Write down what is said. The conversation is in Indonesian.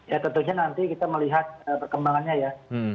ya tentunya nanti kita melihat perkembangannya ya